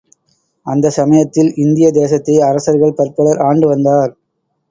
அந்தச் சமயத்தில் இந்திய தேசத்தை அரசர்கள் பற்பலர் ஆண்டுவந்தார்.